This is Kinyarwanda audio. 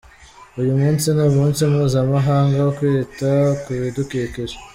Uyu munsi ni umunsi mpuzamahanga wo kwita ku bidukikije.